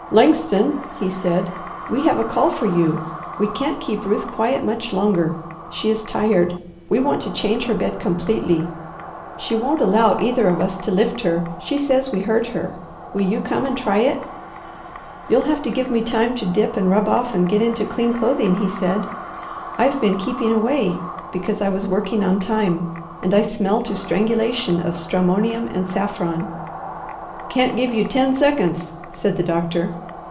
"Langston," he said, "we have a call for you. We can't keep Ruth quiet much longer. She is tired. We want to change her bed completely. She won't allow either of us to lift her. She says we hurt her. Will you come and try it?" "You'll have to give me time to dip and rub off and get into clean clothing," he said. "I've been keeping away, because I was working on time, and I smell to strangulation of stramonium and saffron." "Can't give you ten seconds," said the doctor.